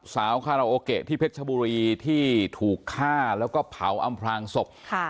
คาราโอเกะที่เพชรชบุรีที่ถูกฆ่าแล้วก็เผาอำพลางศพ